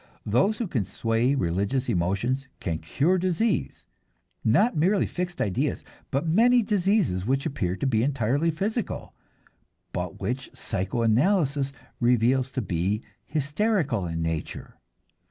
Those who can sway religious emotions can cure disease, not merely fixed ideas, but many diseases which appear to be entirely physical, but which psycho analysis reveals to be hysterical in nature.